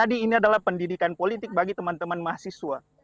jadi ini adalah pendidikan politik bagi teman teman mahasiswa